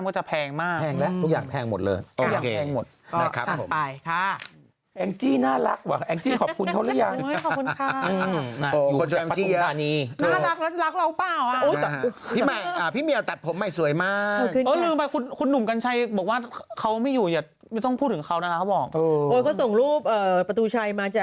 เนอะจากพายุระดับนี้เนอะซุปเปอร์ใต้ฝุ่นแบบรุนแรงระดับโลกถูกต้อง